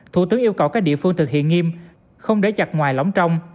thủ tướng yêu cầu các địa phương thực hiện nghiêm không để chặt ngoài lỏng trong